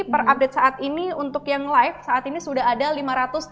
per update saat ini untuk yang live saat ini sudah ada lima ratus